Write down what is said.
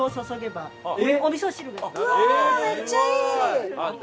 うわめっちゃいい！